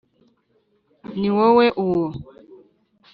ni wowe uwo